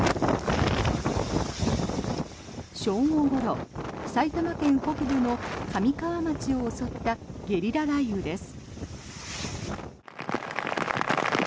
正午ごろ埼玉県北部の神川町を襲ったゲリラ雷雨です。